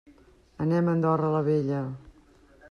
Anem a Andorra la Vella.